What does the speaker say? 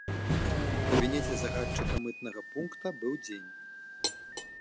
У кабінеце загадчыка мытнага пункта быў дзень.